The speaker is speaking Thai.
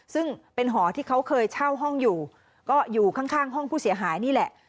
ซึ่งเป็นหอที่เขาเคยเช่าห้องอยู่ก็อยู่ข้างห้องผู้เสียหายนี่แหละ